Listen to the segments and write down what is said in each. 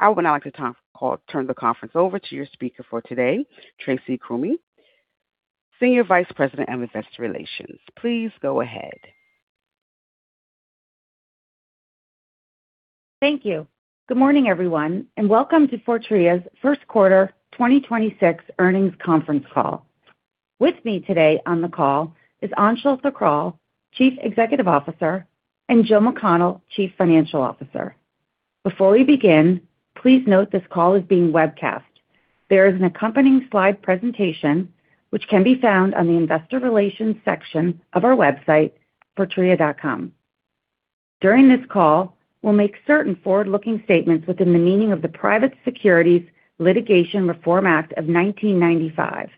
I would now like to turn the conference over to your speaker for today, Tracy Krumme, Senior Vice President, Investor Relations. Please go ahead. Thank you. Good morning, everyone, and welcome to Fortrea's First Quarter 2026 earnings conference call. With me today on the call is Anshul Thakral, Chief Executive Officer, and Jill McConnell, Chief Financial Officer. Before we begin, please note this call is being webcast. There is an accompanying slide presentation which can be found on the investor relations section of our website, fortrea.com. During this call, we'll make certain forward-looking statements within the meaning of the Private Securities Litigation Reform Act of 1995.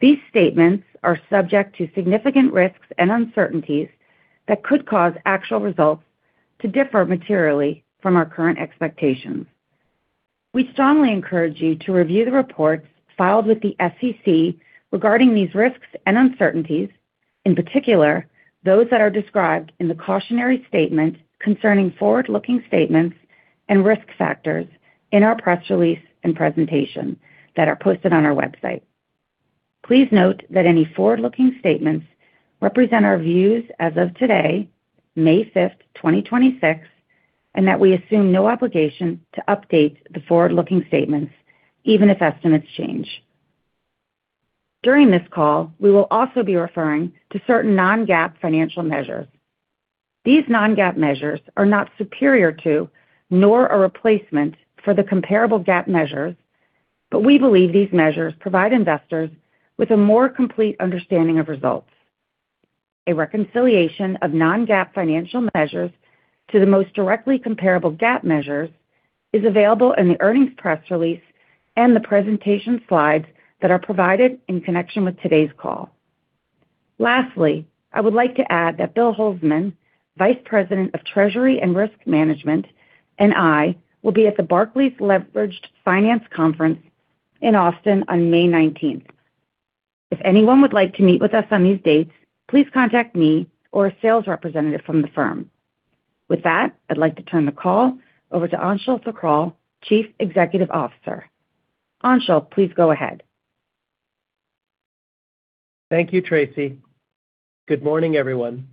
These statements are subject to significant risks and uncertainties that could cause actual results to differ materially from our current expectations. We strongly encourage you to review the reports filed with the SEC regarding these risks and uncertainties, in particular, those that are described in the cautionary statement concerning forward-looking statements and risk factors in our press release and presentation that are posted on our website. Please note that any forward-looking statements represent our views as of today, May 5th, 2026. That we assume no obligation to update the forward-looking statements even if estimates change. During this call, we will also be referring to certain non-GAAP financial measures. These non-GAAP measures are not superior to nor a replacement for the comparable GAAP measures. We believe these measures provide investors with a more complete understanding of results. A reconciliation of non-GAAP financial measures to the most directly comparable GAAP measures is available in the earnings press release and the presentation slides that are provided in connection with today's call. Lastly, I would like to add that Bill Holzman, Vice President of Treasury and Risk Management, and I will be at the Barclays Leveraged Finance Conference in Austin on May 19th. If anyone would like to meet with us on these dates, please contact me or a sales representative from the firm. With that, I'd like to turn the call over to Anshul Thakral, Chief Executive Officer. Anshul, please go ahead. Thank you, Tracy. Good morning, everyone,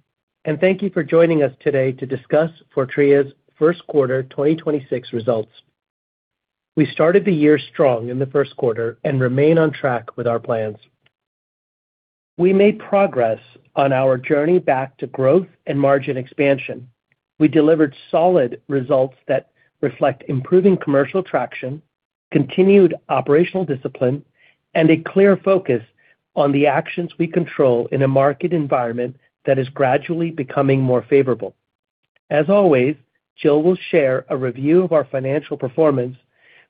and thank you for joining us today to discuss Fortrea's first quarter 2026 results. We started the year strong in the first quarter and remain on track with our plans. We made progress on our journey back to growth and margin expansion. We delivered solid results that reflect improving commercial traction, continued operational discipline, and a clear focus on the actions we control in a market environment that is gradually becoming more favorable. As always, Jill will share a review of our financial performance,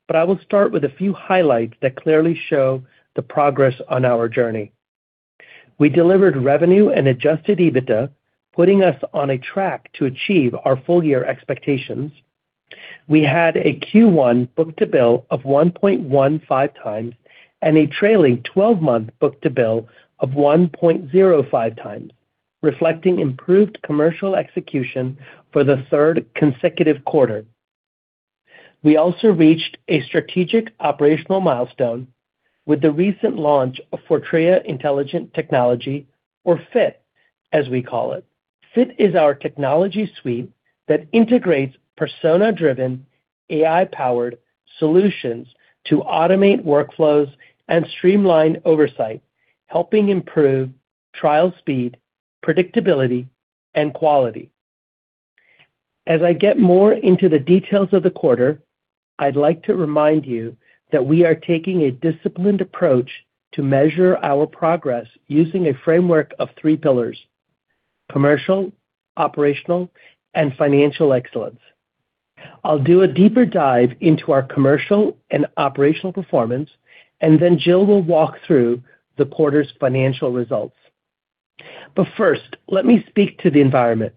but I will start with a few highlights that clearly show the progress on our journey. We delivered revenue and adjusted EBITDA, putting us on a track to achieve our full-year expectations. We had a Q1 book-to-bill of 1.15x and a trailing twelve-month book-to-bill of 1.05x, reflecting improved commercial execution for the three consecutive quarter. We also reached a strategic operational milestone with the recent launch of Fortrea Intelligent Technology or FIT, as we call it. FIT is our technology suite that integrates persona-driven, AI-powered solutions to automate workflows and streamline oversight, helping improve trial speed, predictability, and quality. As I get more into the details of the quarter, I'd like to remind you that we are taking a disciplined approach to measure our progress using a framework of three pillars: commercial, operational, and financial excellence. I'll do a deeper dive into our commercial and operational performance, and then Jill will walk through the quarter's financial results. First, let me speak to the environment,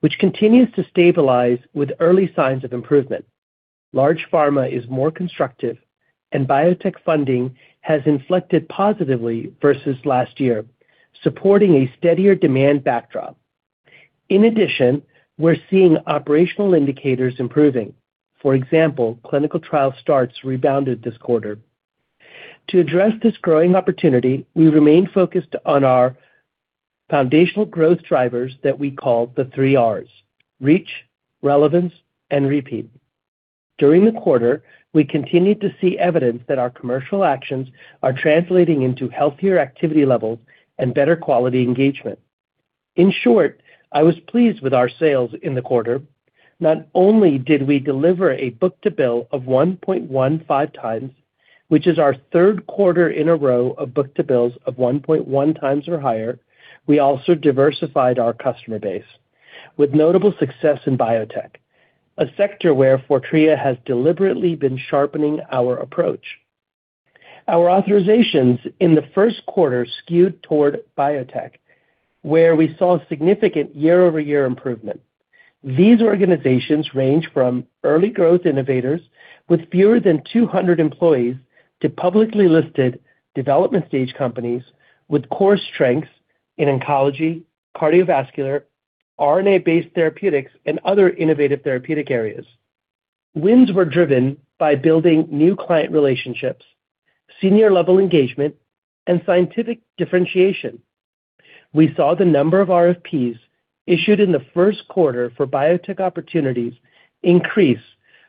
which continues to stabilize with early signs of improvement. Large pharma is more constructive, and biotech funding has inflected positively versus last year, supporting a steadier demand backdrop. In addition, we're seeing operational indicators improving. For example, clinical trial starts rebounded this quarter. To address this growing opportunity, we remain focused on our foundational growth drivers that we call the Three Rs: reach, relevance, and repeat. During the quarter, we continued to see evidence that our commercial actions are translating into healthier activity levels and better quality engagement. In short, I was pleased with our sales in the quarter. Not only did we deliver a book-to-bill of 1.15x, which is our third quarter in a row of book-to-bills of 1.1x or higher, we also diversified our customer base. With notable success in biotech, a sector where Fortrea has deliberately been sharpening our approach. Our authorizations in the first quarter skewed toward biotech, where we saw significant year-over-year improvement. These organizations range from early growth innovators with fewer than 200 employees to publicly listed development stage companies with core strengths in oncology, cardiovascular, RNA-based therapeutics, and other innovative therapeutic areas. Wins were driven by building new client relationships, senior-level engagement, and scientific differentiation. We saw the number of RFPs issued in the first quarter for biotech opportunities increase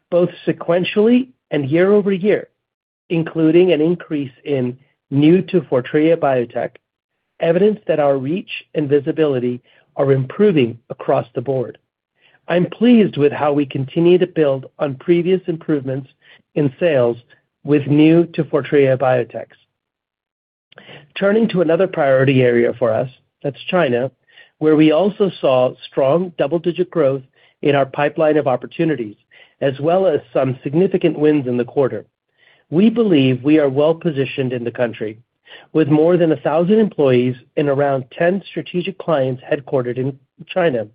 both sequentially and year-over-year, including an increase in new to Fortrea biotech, evidence that our reach and visibility are improving across the board. I'm pleased with how we continue to build on previous improvements in sales with new to Fortrea biotechs. Turning to another priority area for us, that's China, where we also saw strong double-digit growth in our pipeline of opportunities, as well as some significant wins in the quarter. We believe we are well-positioned in the country with more than 1,000 employees and around 10 strategic clients headquartered in China.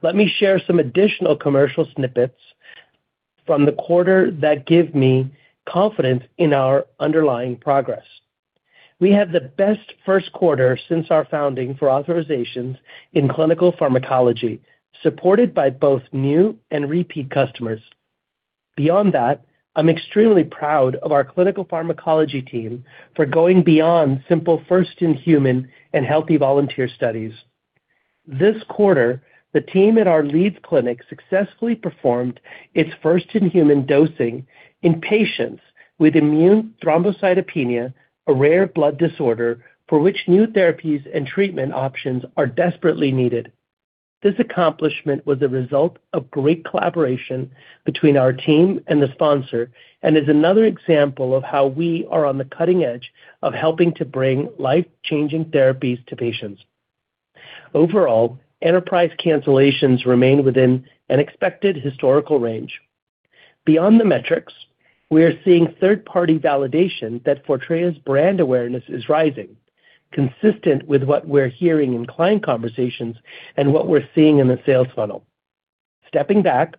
Let me share some additional commercial snippets from the quarter that give me confidence in our underlying progress. We have the best first quarter since our founding for authorizations in clinical pharmacology, supported by both new and repeat customers. Beyond that, I'm extremely proud of our clinical pharmacology team for going beyond simple first in human and healthy volunteer studies. This quarter, the team at our Leeds clinic successfully performed its first in human dosing in patients with immune thrombocytopenia, a rare blood disorder for which new therapies and treatment options are desperately needed. This accomplishment was a result of great collaboration between our team and the sponsor and is another example of how we are on the cutting edge of helping to bring life-changing therapies to patients. Overall, enterprise cancellations remain within an expected historical range. Beyond the metrics, we are seeing third-party validation that Fortrea's brand awareness is rising, consistent with what we're hearing in client conversations and what we're seeing in the sales funnel. Stepping back,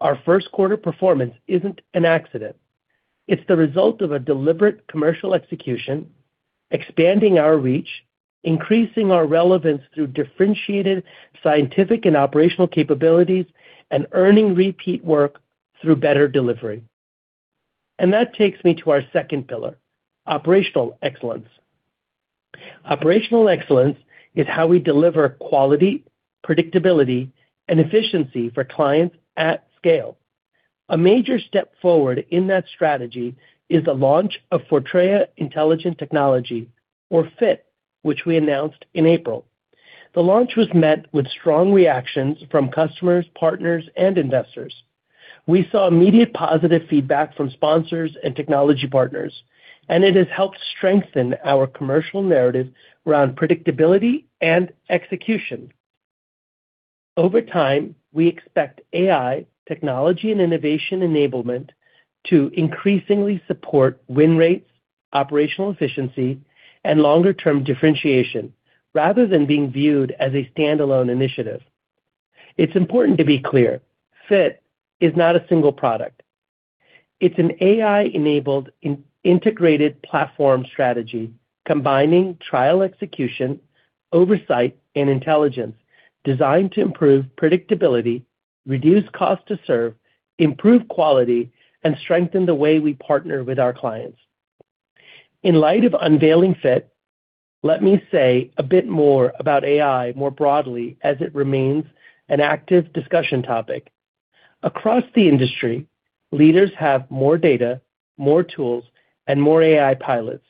our first quarter performance isn't an accident. It's the result of a deliberate commercial execution, expanding our reach, increasing our relevance through differentiated scientific and operational capabilities, and earning repeat work through better delivery. That takes me to our second pillar, operational excellence. Operational excellence is how we deliver quality, predictability, and efficiency for clients at scale. A major step forward in that strategy is the launch of Fortrea Intelligent Technology, or FIT, which we announced in April. The launch was met with strong reactions from customers, partners, and investors. We saw immediate positive feedback from sponsors and technology partners, and it has helped strengthen our commercial narrative around predictability and execution. Over time, we expect AI technology and innovation enablement to increasingly support win rates, operational efficiency, and longer-term differentiation, rather than being viewed as a standalone initiative. It's important to be clear, FIT is not a single product. It's an AI-enabled in-integrated platform strategy combining trial execution, oversight, and intelligence designed to improve predictability, reduce cost to serve, improve quality, and strengthen the way we partner with our clients. In light of unveiling FIT, let me say a bit more about AI more broadly as it remains an active discussion topic. Across the industry, leaders have more data, more tools, and more AI pilots.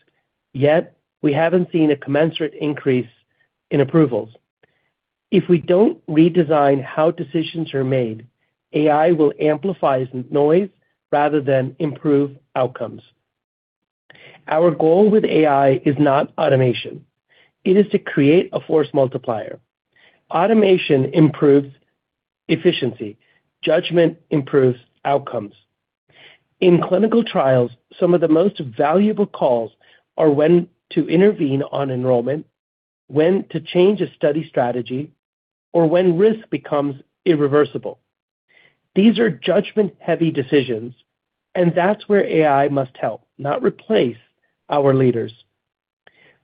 We haven't seen a commensurate increase in approvals. If we don't redesign how decisions are made, AI will amplify noise rather than improve outcomes. Our goal with AI is not automation. It is to create a force multiplier. Automation improves efficiency. Judgment improves outcomes. In clinical trials, some of the most valuable calls are when to intervene on enrollment, when to change a study strategy, or when risk becomes irreversible. These are judgment-heavy decisions, and that's where AI must help, not replace our leaders.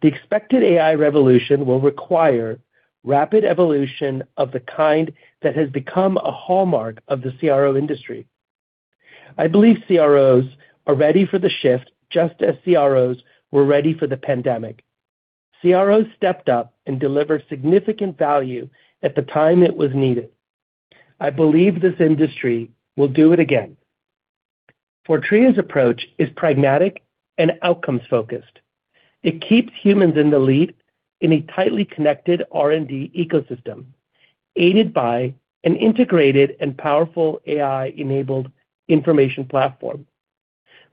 The expected AI revolution will require rapid evolution of the kind that has become a hallmark of the CRO industry. I believe CROs are ready for the shift, just as CROs were ready for the pandemic. CROs stepped up and delivered significant value at the time it was needed. I believe this industry will do it again. Fortrea's approach is pragmatic and outcomes-focused. It keeps humans in the lead in a tightly connected R&D ecosystem, aided by an integrated and powerful AI-enabled information platform.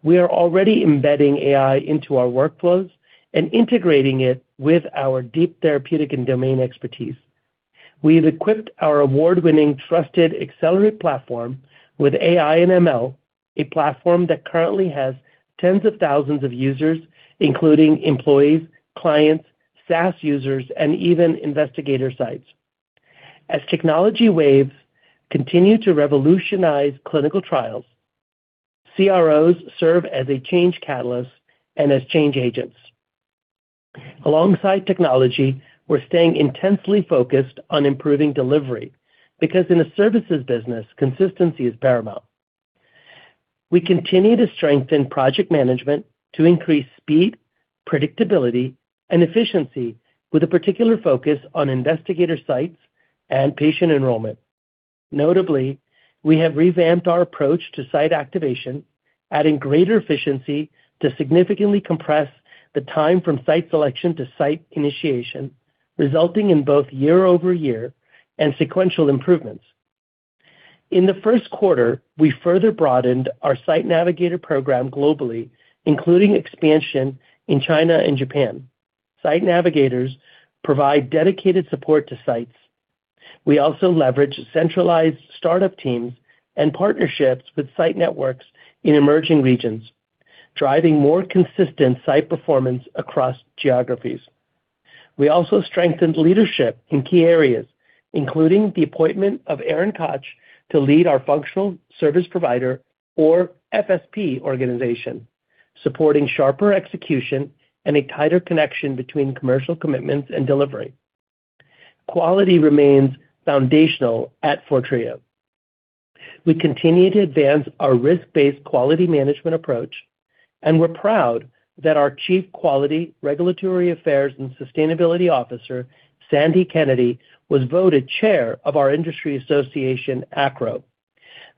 We are already embedding AI into our workflows and integrating it with our deep therapeutic and domain expertise. We have equipped our award-winning trusted Xcellerate platform with AI and ML, a platform that currently has tens of thousands of users, including employees, clients, SaaS users, and even investigator sites. As technology waves continue to revolutionize clinical trials, CROs serve as a change catalyst and as change agents. Alongside technology, we're staying intensely focused on improving delivery because in a services business, consistency is paramount. We continue to strengthen project management to increase speed, predictability, and efficiency with a particular focus on investigator sites and patient enrollment. Notably, we have revamped our approach to site activation, adding greater efficiency to significantly compress the time from site selection to site initiation, resulting in both year-over-year and sequential improvements. In the first quarter, we further broadened our Site Navigator program globally, including expansion in China and Japan. Site Navigators provide dedicated support to sites. We also leverage centralized startup teams and partnerships with site networks in emerging regions, driving more consistent site performance across geographies. We also strengthened leadership in key areas, including the appointment of Erin Koch to lead our Functional Service Provider or FSP organization, supporting sharper execution and a tighter connection between commercial commitments and delivery. Quality remains foundational at Fortrea. We continue to advance our risk-based quality management approach, and we're proud that our Chief Quality, Regulatory Affairs, and Sustainability Officer, Cassandra Kennedy, was voted chair of our industry association, ACRO.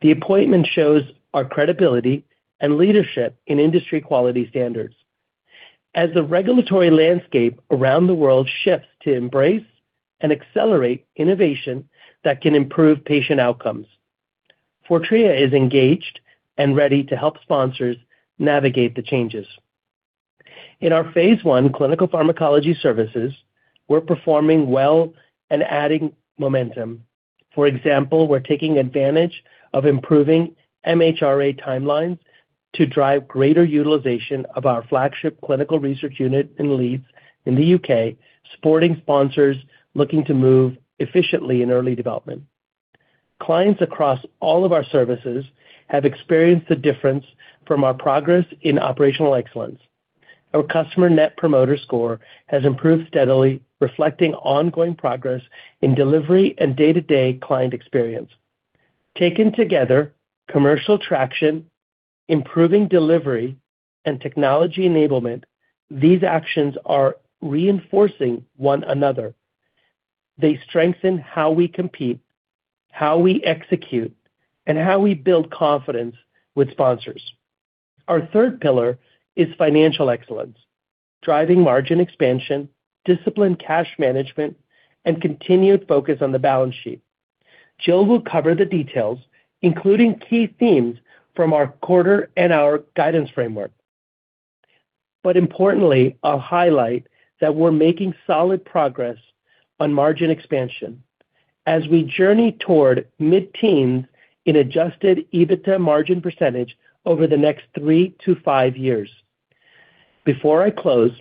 The appointment shows our credibility and leadership in industry quality standards. As the regulatory landscape around the world shifts to embrace and accelerate innovation that can improve patient outcomes, Fortrea is engaged and ready to help sponsors navigate the changes. In our phase I clinical pharmacology services, we're performing well and adding momentum. For example, we're taking advantage of improving MHRA timelines to drive greater utilization of our flagship clinical research unit in Leeds in the U.K., supporting sponsors looking to move efficiently in early development. Clients across all of our services have experienced the difference from our progress in operational excellence. Our customer net promoter score has improved steadily, reflecting ongoing progress in delivery and day-to-day client experience. Taken together, commercial traction, improving delivery, and technology enablement, these actions are reinforcing one another. They strengthen how we compete, how we execute, and how we build confidence with sponsors. Our third pillar is financial excellence, driving margin expansion, disciplined cash management, and continued focus on the balance sheet. Jill will cover the details, including key themes from our quarter and our guidance framework. Importantly, I'll highlight that we're making solid progress on margin expansion as we journey toward mid-teens in adjusted EBITDA margin percentage over the next three to five years. Before I close,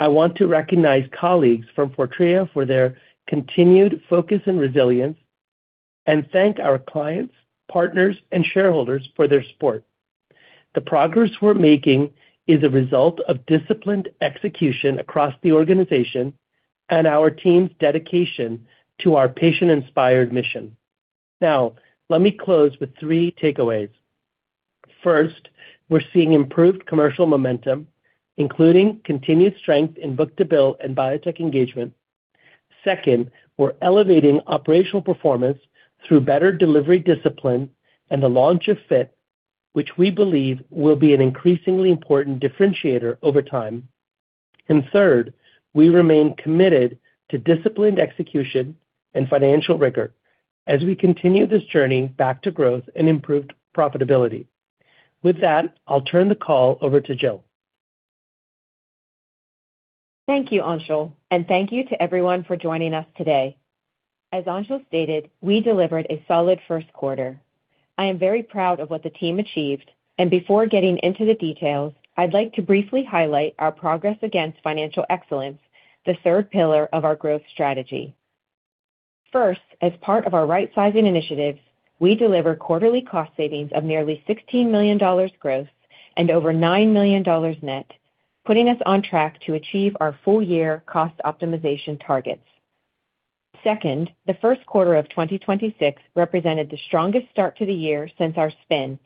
I want to recognize colleagues from Fortrea for their continued focus and resilience and thank our clients, partners, and shareholders for their support. The progress we're making is a result of disciplined execution across the organization and our team's dedication to our patient-inspired mission. Let me close with three takeaways. First, we're seeing improved commercial momentum, including continued strength in book-to-bill and biotech engagement. Second, we're elevating operational performance through better delivery discipline and the launch of FIT, which we believe will be an increasingly important differentiator over time. Third, we remain committed to disciplined execution and financial rigor as we continue this journey back to growth and improved profitability. With that, I'll turn the call over to Jill. Thank you, Anshul, and thank you to everyone for joining us today. As Anshul stated, we delivered a solid first quarter. I am very proud of what the team achieved. Before getting into the details, I'd like to briefly highlight our progress against financial excellence, the third pillar of our growth strategy. First, as part of our rightsizing initiative, we deliver quarterly cost savings of nearly $16 million gross and over $9 million net, putting us on track to achieve our full-year cost optimization targets. Second, the first quarter of 2026 represented the strongest start to the year since our spin,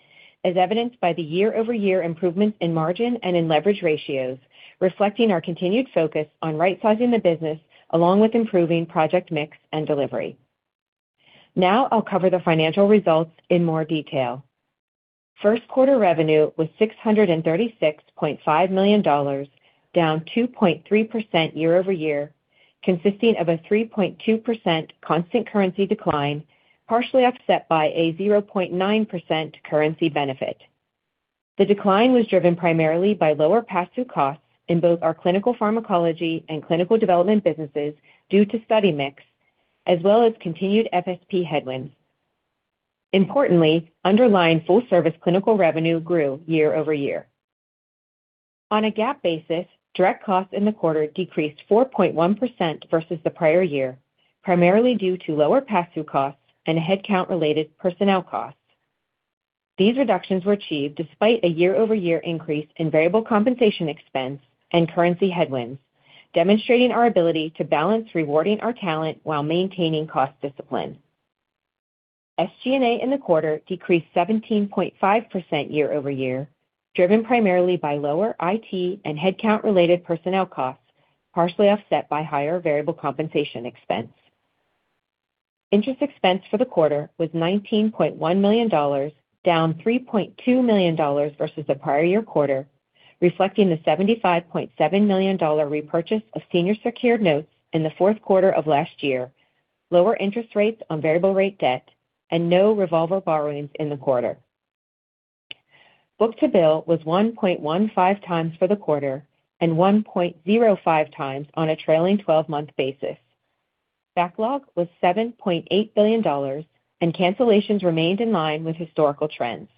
as evidenced by the year-over-year improvement in margin and in leverage ratios, reflecting our continued focus on rightsizing the business along with improving project mix and delivery. Now I'll cover the financial results in more detail. First quarter revenue was $636.5 million, down 2.3% year-over-year, consisting of a 3.2% constant currency decline, partially offset by a 0.9% currency benefit. The decline was driven primarily by lower pass-through costs in both our clinical pharmacology and clinical development businesses due to study mix, as well as continued FSP headwinds. Importantly, underlying full-service clinical revenue grew year-over-year. On a GAAP basis, direct costs in the quarter decreased 4.1% versus the prior year, primarily due to lower pass-through costs and headcount-related personnel costs. These reductions were achieved despite a year-over-year increase in variable compensation expense and currency headwinds, demonstrating our ability to balance rewarding our talent while maintaining cost discipline. SG&A in the quarter decreased 17.5% year-over-year, driven primarily by lower IT and headcount-related personnel costs, partially offset by higher variable compensation expense. Interest expense for the quarter was $19.1 million, down $3.2 million versus the prior year quarter, reflecting the $75.7 million repurchase of senior secured notes in the fourth quarter of last year, lower interest rates on variable rate debt, and no revolver borrowings in the quarter. Book-to-bill was 1.15x for the quarter and 1.05x on a trailing 12-month basis. Backlog was $7.8 billion, and cancellations remained in line with historical trends.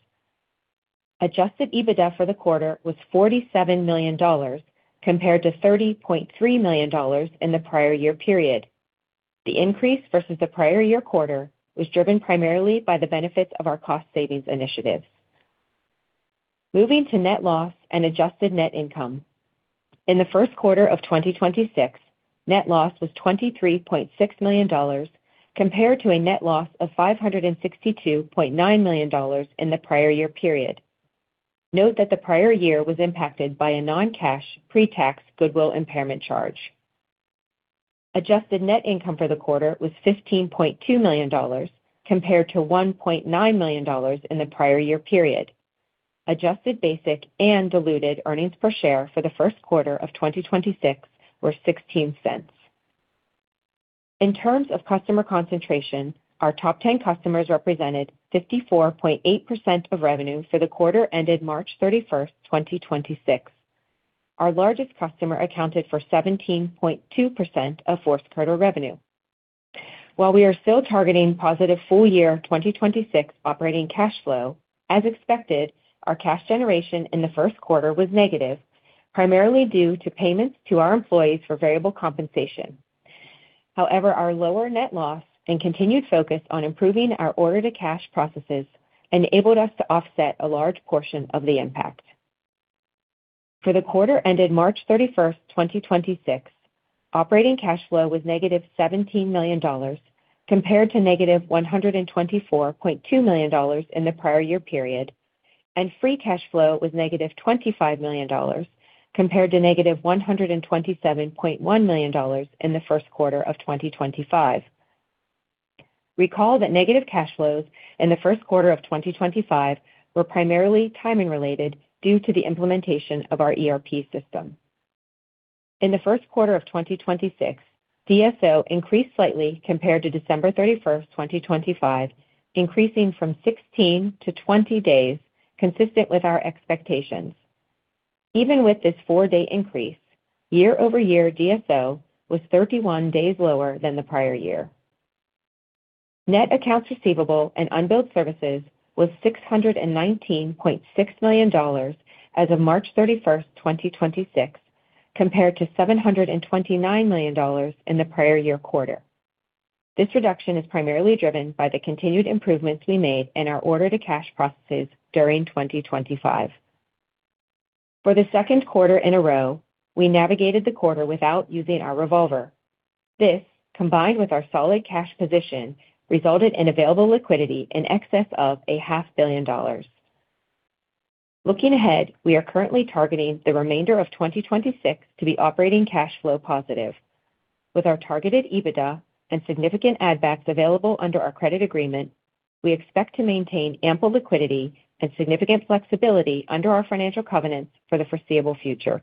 Adjusted EBITDA for the quarter was $47 million compared to $30.3 million in the prior year period. The increase versus the prior year quarter was driven primarily by the benefits of our cost savings initiatives. Moving to net loss and adjusted net income. In the first quarter of 2026, net loss was $23.6 million compared to a net loss of $562.9 million in the prior year period. Note that the prior year was impacted by a non-cash pre-tax goodwill impairment charge. Adjusted net income for the quarter was $15.2 million compared to $1.9 million in the prior year period. Adjusted basic and diluted earnings per share for the first quarter of 2026 were $0.16. In terms of customer concentration, our top 10 customers represented 54.8% of revenue for the quarter ended March thirty-first, 2026. Our largest customer accounted for 17.2% of Fortrea revenue. While we are still targeting positive full-year 2026 operating cash flow, as expected, our cash generation in the 1st quarter was negative, primarily due to payments to our employees for variable compensation. However, our lower net loss and continued focus on improving our order-to-cash processes enabled us to offset a large portion of the impact. For the quarter ended March 31st, 2026, operating cash flow was -$17 million compared to -$124.2 million in the prior year period, and free cash flow was -$25 million compared to -$127.1 million in the 1st quarter of 2025. Recall that negative cash flows in the first quarter of 2025 were primarily timing related due to the implementation of our ERP system. In the first quarter of 2026, DSO increased slightly compared to December 31, 2025, increasing from 16-20 days, consistent with our expectations. Even with this four-day increase, year-over-year DSO was 31 days lower than the prior year. Net accounts receivable and unbilled services was $619.6 million as of March 31, 2026, compared to $729 million in the prior year quarter. This reduction is primarily driven by the continued improvements we made in our order-to-cash processes during 2025. For the second quarter in a row, we navigated the quarter without using our revolver. This, combined with our solid cash position, resulted in available liquidity in excess of a half billion dollars. Looking ahead, we are currently targeting the remainder of 2026 to be operating cash flow positive. With our targeted EBITDA and significant add-backs available under our credit agreement, we expect to maintain ample liquidity and significant flexibility under our financial covenants for the foreseeable future.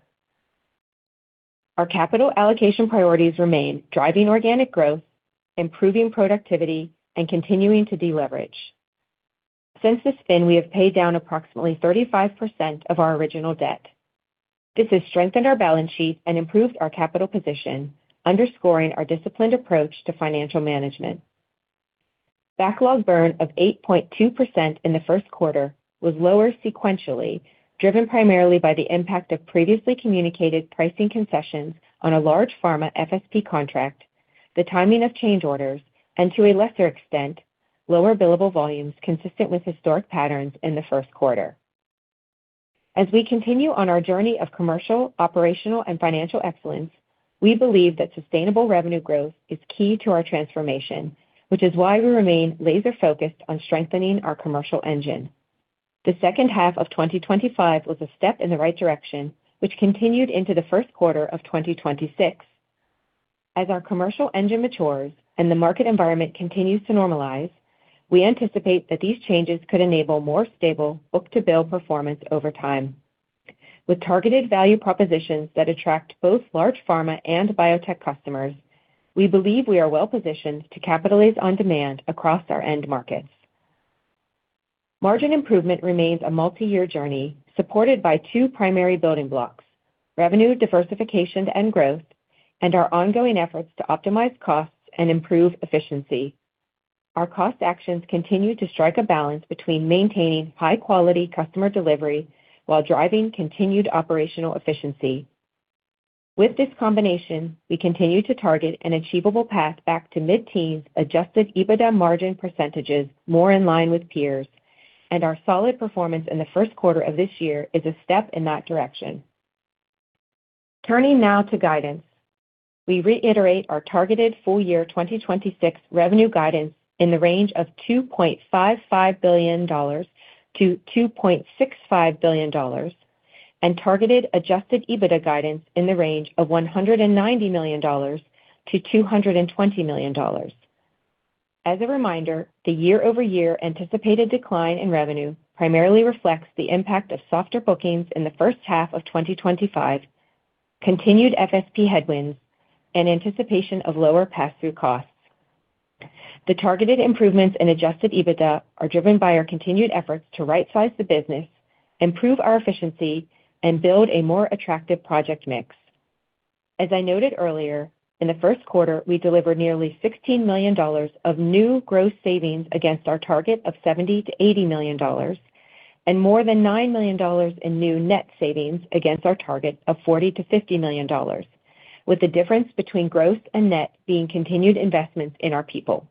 Our capital allocation priorities remain driving organic growth, improving productivity, and continuing to deleverage. Since the spin, we have paid down approximately 35% of our original debt. This has strengthened our balance sheet and improved our capital position, underscoring our disciplined approach to financial management. Backlog burn of 8.2% in the first quarter was lower sequentially, driven primarily by the impact of previously communicated pricing concessions on a large pharma FSP contract, the timing of change orders, and to a lesser extent, lower billable volumes consistent with historic patterns in the first quarter. As we continue on our journey of commercial, operational, and financial excellence, we believe that sustainable revenue growth is key to our transformation, which is why we remain laser-focused on strengthening our commercial engine. The second half of 2025 was a step in the right direction, which continued into the first quarter of 2026. As our commercial engine matures and the market environment continues to normalize, we anticipate that these changes could enable more stable book-to-bill performance over time. With targeted value propositions that attract both large pharma and biotech customers, we believe we are well-positioned to capitalize on demand across our end markets. Margin improvement remains a multi-year journey, supported by two primary building blocks: revenue diversification and growth, and our ongoing efforts to optimize costs and improve efficiency. Our cost actions continue to strike a balance between maintaining high-quality customer delivery while driving continued operational efficiency. With this combination, we continue to target an achievable path back to mid-teens adjusted EBITDA margin % more in line with peers, and our solid performance in the first quarter of this year is a step in that direction. Turning now to guidance. We reiterate our targeted full-year 2026 revenue guidance in the range of $2.55 billion-$2.65 billion and targeted adjusted EBITDA guidance in the range of $190 million-$220 million. As a reminder, the year-over-year anticipated decline in revenue primarily reflects the impact of softer bookings in the first half of 2025, continued FSP headwinds, and anticipation of lower passthrough costs. The targeted improvements in adjusted EBITDA are driven by our continued efforts to rightsize the business, improve our efficiency, and build a more attractive project mix. As I noted earlier, in the first quarter, we delivered nearly $16 million of new gross savings against our target of $70 million-$80 million and more than $9 million in new net savings against our target of $40 million-$50 million, with the difference between gross and net being continued investments in our people.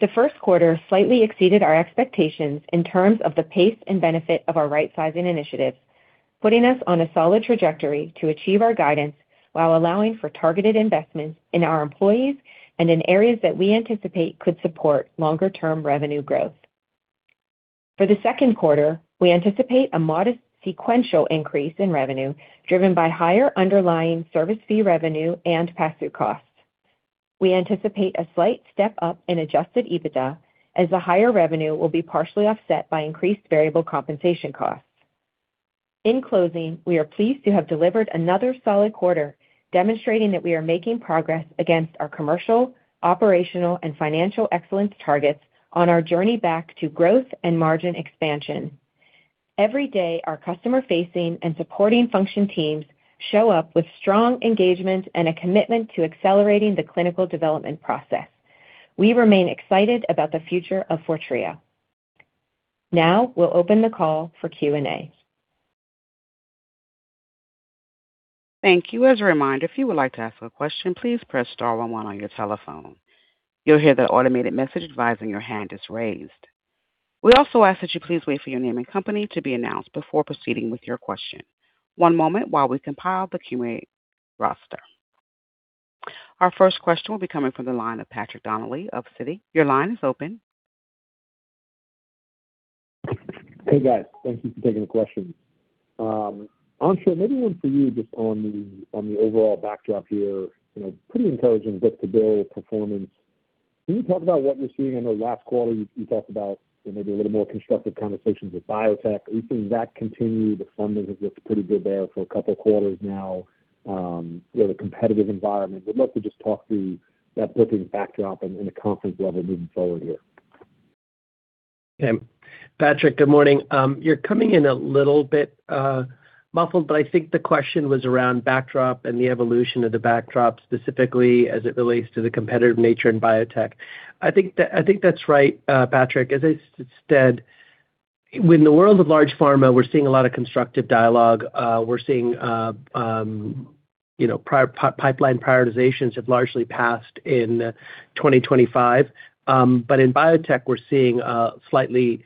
The first quarter slightly exceeded our expectations in terms of the pace and benefit of our rightsizing initiatives, putting us on a solid trajectory to achieve our guidance while allowing for targeted investments in our employees and in areas that we anticipate could support longer-term revenue growth. For the second quarter, we anticipate a modest sequential increase in revenue driven by higher underlying service fee revenue and passthrough costs. We anticipate a slight step-up in adjusted EBITDA as the higher revenue will be partially offset by increased variable compensation costs. In closing, we are pleased to have delivered another solid quarter, demonstrating that we are making progress against our commercial, operational, and financial excellence targets on our journey back to growth and margin expansion. Every day, our customer-facing and supporting function teams show up with strong engagement and a commitment to accelerating the clinical development process. We remain excited about the future of Fortrea. Now, we'll open the call for Q&A. Thank you. As a reminder, if you would like to ask a question, please press star one one on your telephone. You'll hear the automated message advising your hand is raised. We also ask that you please wait for your name and company to be announced before proceeding with your question. One moment while we compile the Q&A roster. Our first question will be coming from the line of Patrick Donnelly of Citi. Your line is open. Hey, guys. Thank you for taking the question. Anshul, maybe one for you just on the, on the overall backdrop here. You know, pretty encouraging book-to-bill performance. Can you talk about what you're seeing? I know last quarter you talked about, you know, maybe a little more constructive conversations with biotech. Are you seeing that continue? The funding has looked pretty good there for a couple of quarters now, you know, the competitive environment. Would love to just talk through that booking backdrop and the confidence level moving forward here. Patrick, good morning. You're coming in a little bit muffled, but I think the question was around backdrop and the evolution of the backdrop, specifically as it relates to the competitive nature in biotech. I think that's right, Patrick. As I said, when the world of large pharma, we're seeing a lot of constructive dialogue. We're seeing, you know, pipeline prioritizations have largely passed in 2025. In biotech, we're seeing a slightly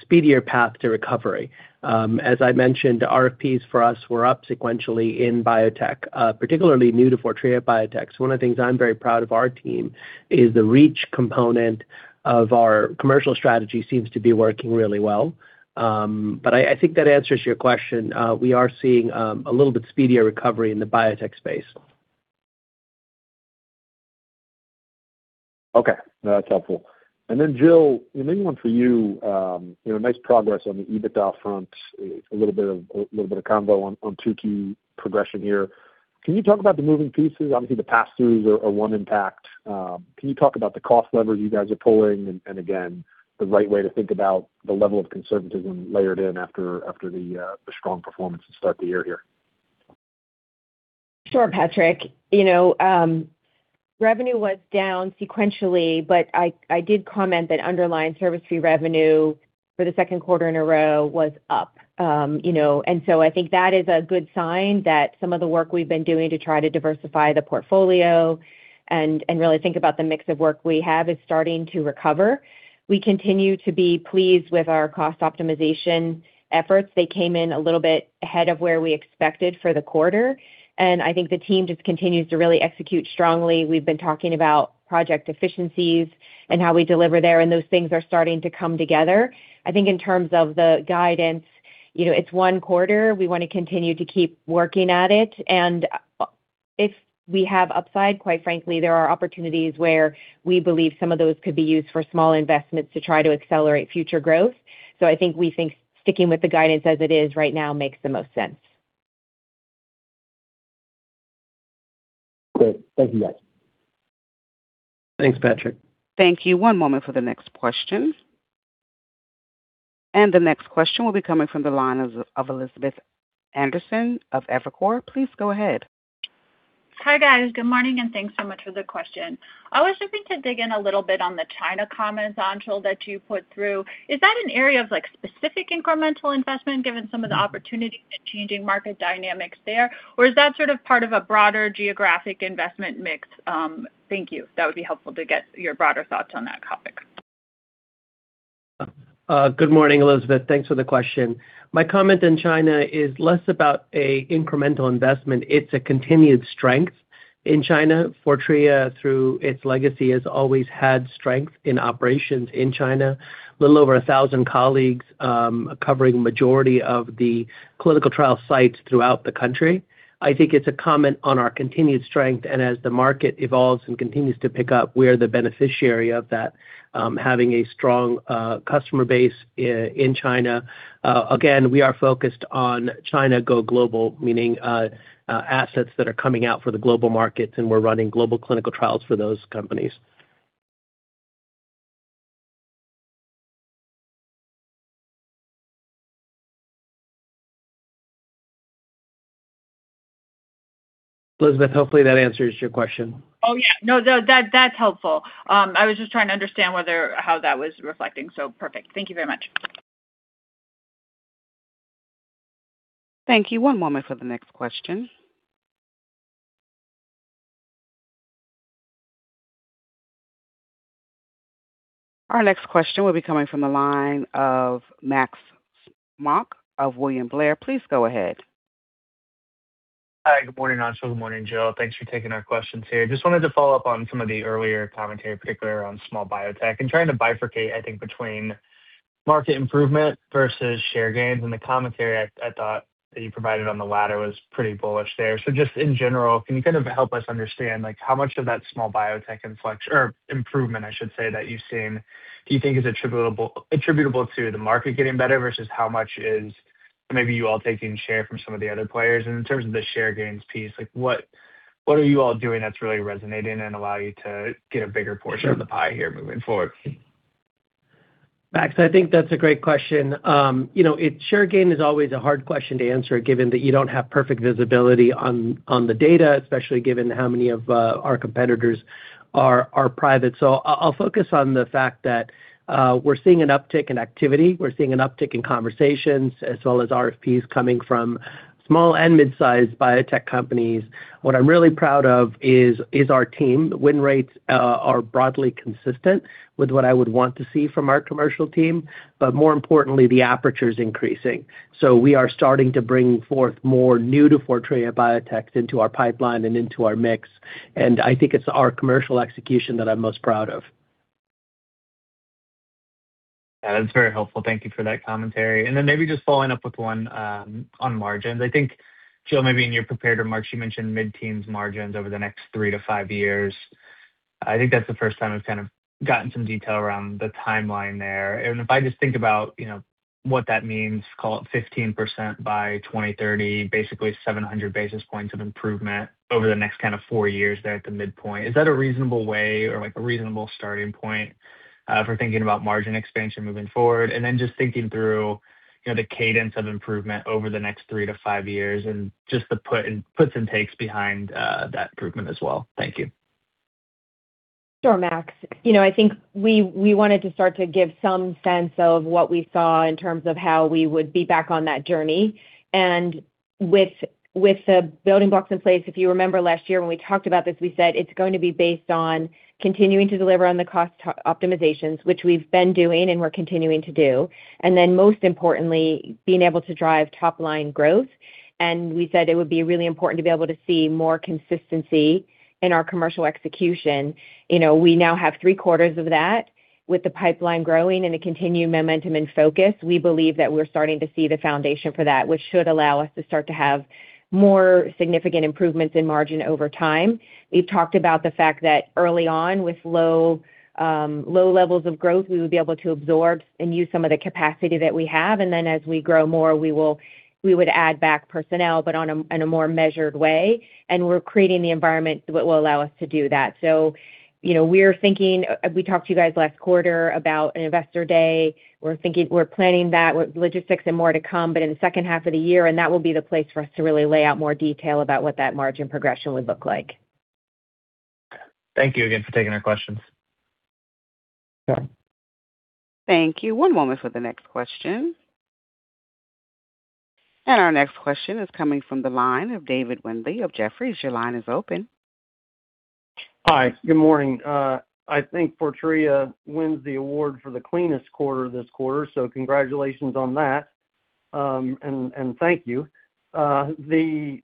speedier path to recovery. As I mentioned, RFPs for us were up sequentially in biotech, particularly new to Fortrea biotechs. One of the things I'm very proud of our team is the reach component of our commercial strategy seems to be working really well. I think that answers your question. We are seeing a little bit speedier recovery in the biotech space. Okay. No, that's helpful. And then Jill, maybe one for you. You know, nice progress on the EBITDA front. A little bit of combo on two key progression here. Can you talk about the moving pieces? Obviously, the passthroughs are one impact. Can you talk about the cost levers you guys are pulling and, again, the right way to think about the level of conservatism layered in after the strong performance to start the year here? Sure, Patrick. You know, revenue was down sequentially, but I did comment that underlying service fee revenue for the second quarter in a row was up. You know, I think that is a good sign that some of the work we've been doing to try to diversify the portfolio and really think about the mix of work we have is starting to recover. We continue to be pleased with our cost optimization efforts. They came in a little bit ahead of where we expected for the quarter, and I think the team just continues to really execute strongly. We've been talking about project efficiencies and how we deliver there, those things are starting to come together. I think in terms of the guidance, you know, it's one quarter. We wanna continue to keep working at it and if we have upside, quite frankly, there are opportunities where we believe some of those could be used for small investments to try to accelerate future growth. I think we think sticking with the guidance as it is right now makes the most sense. Great. Thank you, guys. Thanks, Patrick. Thank you. One moment for the next question. The next question will be coming from the line of Elizabeth Anderson of Evercore. Please go ahead. Hi, guys. Good morning. Thanks so much for the question. I was hoping to dig in a little bit on the China comments, Anshul, that you put through. Is that an area of, like, specific incremental investment given some of the opportunities and changing market dynamics there? Or is that sort of part of a broader geographic investment mix? Thank you. That would be helpful to get your broader thoughts on that topic. Good morning, Elizabeth. Thanks for the question. My comment in China is less about an incremental investment. It's a continued strength in China. Fortrea, through its legacy, has always had strength in operations in China. Little over 1,000 colleagues, covering majority of the clinical trial sites throughout the country. I think it's a comment on our continued strength and as the market evolves and continues to pick up, we're the beneficiary of that, having a strong customer base in China. Again, we are focused on China go global, meaning assets that are coming out for the global markets, and we're running global clinical trials for those companies. Elizabeth, hopefully that answers your question. Oh, yeah. No, that's helpful. I was just trying to understand whether how that was reflecting. Perfect. Thank you very much. Thank you. One moment for the next question. Our next question will be coming from the line of Max Smock of William Blair. Please go ahead. Hi, good morning, Anshul. Good morning, Jill. Thanks for taking our questions here. Just wanted to follow up on some of the earlier commentary, particularly around small biotech and trying to bifurcate, I think, between market improvement versus share gains. In the commentary, I thought that you provided on the latter was pretty bullish there. Just in general, can you kind of help us understand, like, how much of that small biotech influx or improvement, I should say, that you've seen do you think is attributable to the market getting better versus how much is maybe you all taking share from some of the other players? In terms of the share gains piece, like, what are you all doing that's really resonating and allow you to get a bigger portion of the pie here moving forward? Max, I think that's a great question. You know, share gain is always a hard question to answer given that you don't have perfect visibility on the data, especially given how many of our competitors are private. I'll focus on the fact that we're seeing an uptick in activity. We're seeing an uptick in conversations as well as RFPs coming from small and mid-sized biotech companies. What I'm really proud of is our team. The win rates are broadly consistent with what I would want to see from our commercial team, more importantly, the aperture's increasing. We are starting to bring forth more new to Fortrea biotechs into our pipeline and into our mix, I think it's our commercial execution that I'm most proud of. That's very helpful. Thank you for that commentary. Maybe just following up with one, on margins. I think, Jill, maybe in your prepared remarks, you mentioned mid-teens margins over the next three to five years. I think that's the first time we've kind of gotten some detail around the timeline there. If I just think about, you know, what that means, call it 15% by 2030, basically 700 basis points of improvement over the next kind of four years there at the midpoint. Is that a reasonable way or, like, a reasonable starting point, for thinking about margin expansion moving forward? Then just thinking through, you know, the cadence of improvement over the next three to five years and just the puts and takes behind, that improvement as well. Thank you. Sure, Max. You know, I think we wanted to start to give some sense of what we saw in terms of how we would be back on that journey. With the building blocks in place, if you remember last year when we talked about this, we said it's going to be based on continuing to deliver on the cost optimizations, which we've been doing and we're continuing to do, and then most importantly, being able to drive top-line growth. We said it would be really important to be able to see more consistency in our commercial execution. You know, we now have three quarters of that. With the pipeline growing and the continued momentum and focus, we believe that we're starting to see the foundation for that, which should allow us to start to have more significant improvements in margin over time. We've talked about the fact that early on with low, low levels of growth, we would be able to absorb and use some of the capacity that we have. As we grow more, we would add back personnel, in a more measured way, and we're creating the environment which will allow us to do that. You know, We talked to you guys last quarter about an investor day. We're planning that with logistics and more to come, but in the second half of the year, that will be the place for us to really lay out more detail about what that margin progression would look like. Thank you again for taking our questions. Sure. Thank you. One moment for the next question. Our next question is coming from the line of David Windley of Jefferies. Your line is open. Hi. Good morning. I think Fortrea wins the award for the cleanest quarter this quarter, so congratulations on that, and thank you. The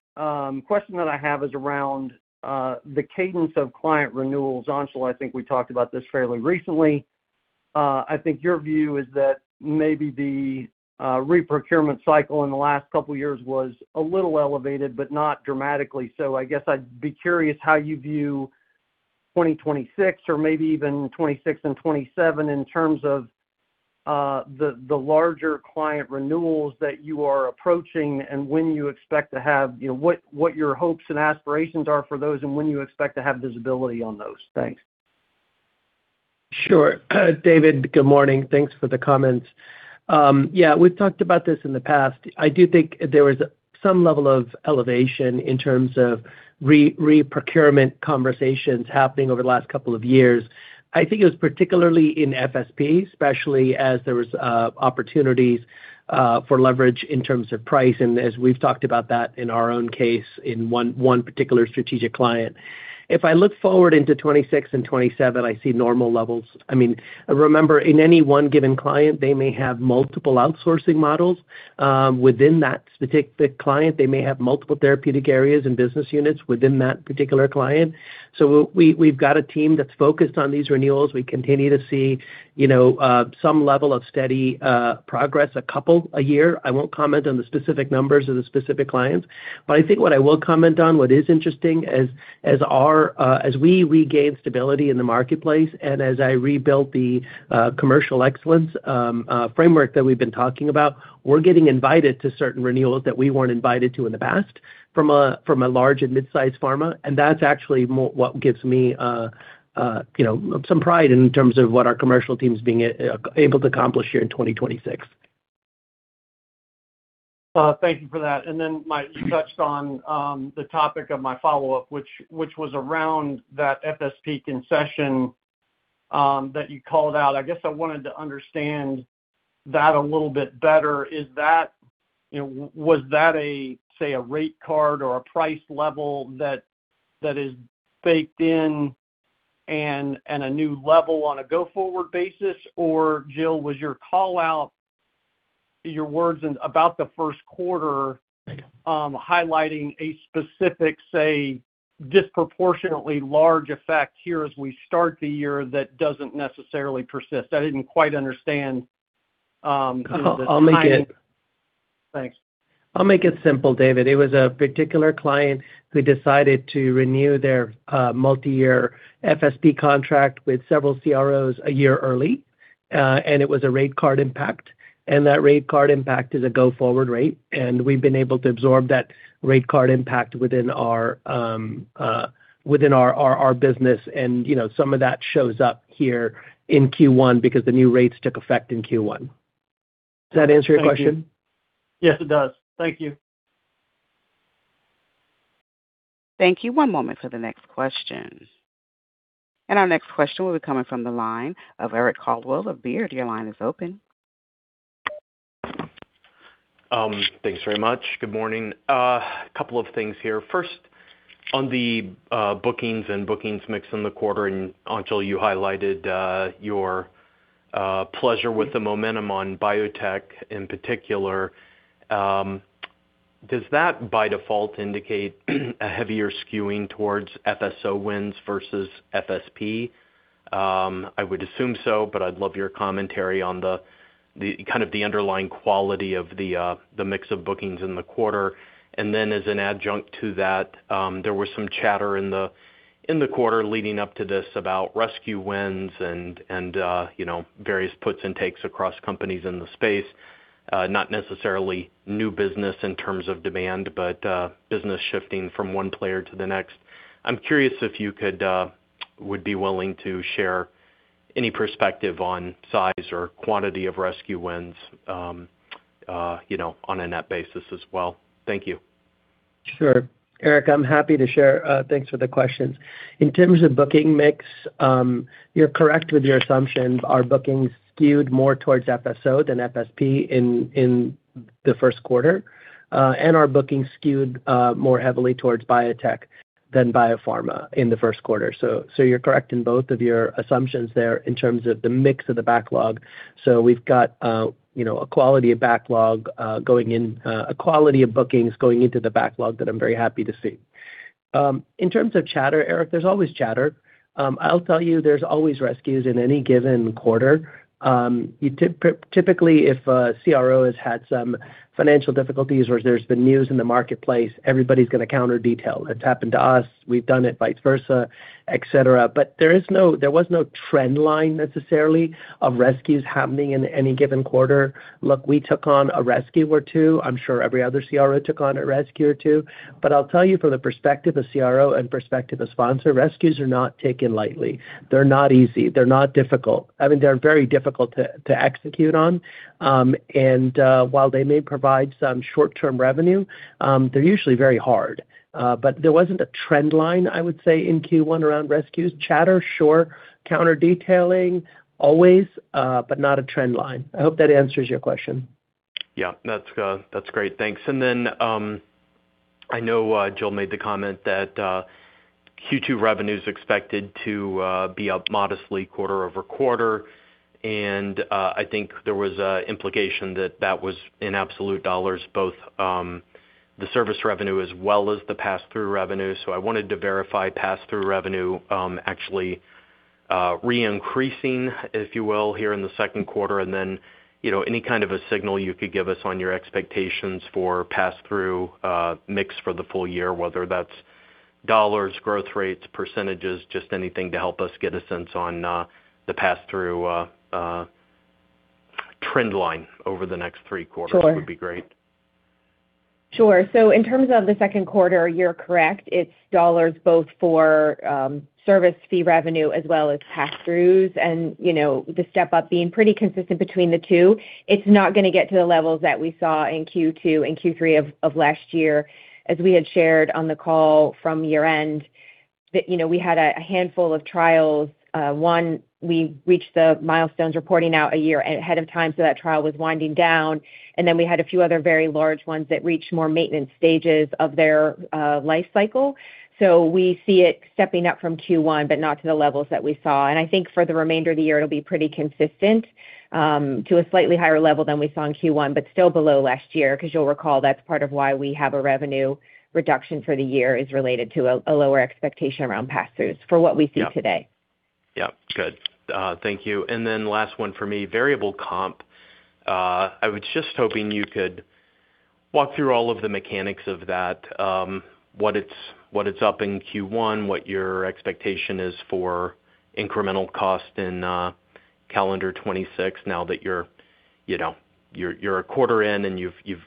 question that I have is around the cadence of client renewals. Anshul, I think we talked about this fairly recently. I think your view is that maybe the reprocurement cycle in the last couple of years was a little elevated, but not dramatically. I guess I'd be curious how you view 2026 or maybe even 2026 and 2027 in terms of the larger client renewals that you are approaching and when you expect to have, you know, what your hopes and aspirations are for those and when you expect to have visibility on those. Thanks. Sure. David, good morning. Thanks for the comments. Yeah, we've talked about this in the past. I do think there was some level of elevation in terms of reprocurement conversations happening over the last couple of years. I think it was particularly in FSP, especially as there was opportunities for leverage in terms of price, and as we've talked about that in our own case in one particular strategic client. If I look forward into 2026 and 2027, I see normal levels. I mean, remember, in any one given client, they may have multiple outsourcing models within that specific client. They may have multiple therapeutic areas and business units within that particular client. We've got a team that's focused on these renewals. We continue to see, you know, some level of steady progress, a couple a year. I won't comment on the specific numbers of the specific clients. I think what I will comment on, what is interesting as we regain stability in the marketplace and as I rebuilt the commercial excellence framework that we've been talking about, we're getting invited to certain renewals that we weren't invited to in the past from a, from a large and mid-sized pharma, and that's actually more what gives me, you know, some pride in terms of what our commercial team is being able to accomplish here in 2026. Thank you for that. You touched on the topic of my follow-up, which was around that FSP concession that you called out. I guess I wanted to understand that a little bit better. Is that, you know, was that a, say, a rate card or a price level that is baked in and a new level on a go-forward basis? Jill, was your call-out, your words in about the first quarter, highlighting a specific, say, disproportionately large effect here as we start the year that doesn't necessarily persist? I didn't quite understand kind of the timing. I'll make it- Thanks. I'll make it simple, David. It was a particular client who decided to renew their multi-year FSP contract with several CROs a year early. It was a rate card impact. That rate card impact is a go-forward rate. We've been able to absorb that rate card impact within our, our business and, you know, some of that shows up here in Q1 because the new rates took effect in Q1. Does that answer your question? Yes, it does. Thank you. Thank you. One moment for the next question. Our next question will be coming from the line of Eric Coldwell of Baird. Your line is open. Thanks very much. Good morning. Couple of things here. First, on the bookings and bookings mix in the quarter, Anshul, you highlighted your pleasure with the momentum on biotech in particular. Does that by default indicate a heavier skewing towards FSO wins versus FSP? I would assume so, but I'd love your commentary on the kind of the underlying quality of the mix of bookings in the quarter. As an adjunct to that, there was some chatter in the quarter leading up to this about rescue wins and, you know, various puts and takes across companies in the space. Not necessarily new business in terms of demand, but business shifting from one player to the next. I'm curious if you could, would be willing to share any perspective on size or quantity of rescue wins, you know, on a net basis as well. Thank you. Sure, Eric, I'm happy to share. Thanks for the questions. In terms of booking mix, you're correct with your assumption. Our bookings skewed more towards FSO and FSP in the first quarter, and our bookings skewed more heavily towards biotech than biopharma in the first quarter. You're correct in both of your assumptions there in terms of the mix of the backlog. We've got, you know, a quality of backlog, a quality of bookings going into the backlog that I'm very happy to see. In terms of chatter, Eric, there's always chatter. I'll tell you, there's always rescues in any given quarter. Typically, if a CRO has had some financial difficulties or there's been news in the marketplace, everybody's gonna counter detail. It's happened to us, we've done it vice versa, et cetera. There was no trend line necessarily of rescues happening in any given quarter. Look, we took on a rescue or two. I'm sure every other CRO took on a rescue or two. I'll tell you from the perspective of CRO and perspective of sponsor, rescues are not taken lightly. They're not easy. They're not difficult. I mean, they're very difficult to execute on. While they may provide some short-term revenue, they're usually very hard. There wasn't a trend line, I would say, in Q1 around rescues. Chatter, sure. Counter-detailing, always, but not a trend line. I hope that answers your question. Yeah. That's great. Thanks. Then, I know Jill made the comment that Q2 revenue is expected to be up modestly quarter-over-quarter, and I think there was a implication that that was in absolute dollars, both the service revenue as well as the pass-through revenue. I wanted to verify pass-through revenue, actually re-increasing, if you will, here in the second quarter, and then, you know, any kind of a signal you could give us on your expectations for pass-through mix for the full year, whether that's dollars, growth rates, percentages, just anything to help us get a sense on the pass-through trend line over the next three quarters. Sure would be great. Sure. In terms of the second quarter, you're correct. It's dollars both for service fee revenue as well as pass-throughs. You know, the step-up being pretty consistent between the two. It's not gonna get to the levels that we saw in Q2 and Q3 of last year. As we had shared on the call from year-end, that, you know, we had a handful of trials. One, we reached the milestones reporting out a year ahead of time, so that trial was winding down. We had a few other very large ones that reached more maintenance stages of their life cycle. We see it stepping up from Q1, but not to the levels that we saw. I think for the remainder of the year, it'll be pretty consistent to a slightly higher level than we saw in Q1, but still below last year. 'Cause you'll recall that's part of why we have a revenue reduction for the year is related to a lower expectation around pass-throughs for what we see today. Yeah. Yeah. Good. Thank you. Last one for me, variable comp. I was just hoping you could walk through all of the mechanics of that, what it's, what it's up in Q1, what your expectation is for incremental cost in calendar 2026, now that you're, you know, you're a quarter in and you've